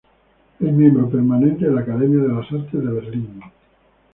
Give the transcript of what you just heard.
Es miembro permanente de la Academia de las Artes de Berlín.